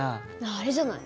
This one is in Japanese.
あれじゃない？